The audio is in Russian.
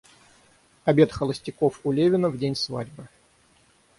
Обед холостяков у Левина в день свадьбы.